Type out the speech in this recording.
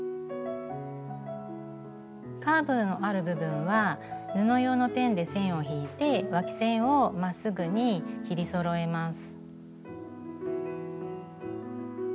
カーブのある部分は布用のペンで線を引いてわき線をまっすぐに切りそろえます。